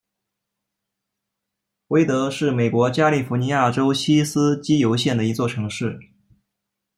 威德是美国加利福尼亚州锡斯基尤县的一座城市。